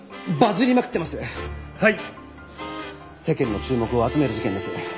世間の注目を集める事件です。